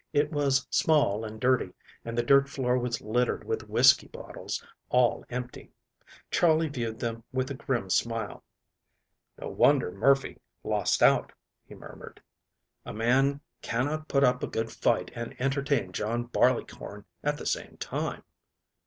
It was small and dirty, and the dirt floor was littered with whiskey bottles, all empty. Charley viewed them with a grim smile. "No wonder Murphy lost out," he murmured. "A man cannot put up a good fight and entertain John Barleycorn at the same time."